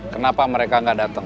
kenapa mereka gak datang